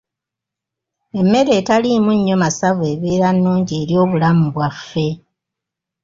Emmere etaliimu nnyo masavu ebeera nnungi eri obulamu bwaffe.